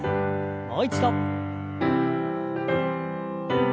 もう一度。